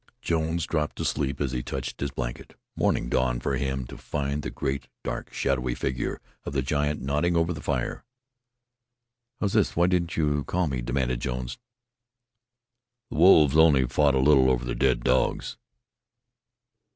Jones dropped to sleep as he touched his blankets. Morning dawned for him, to find the great, dark, shadowy figure of the giant nodding over the fire. "How's this? Why didn't you call me?" demanded Jones. "The wolves only fought a little over the dead dogs."